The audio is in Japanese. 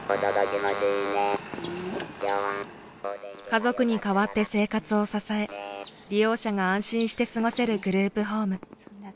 家族に代わって生活を支え利用者が安心して過ごせるグループホーム。